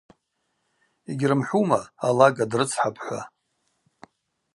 Йгьрымхӏвума: Алага дрыцхӏапӏ – хӏва.